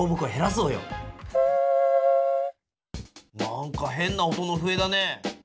なんか変な音の笛だね。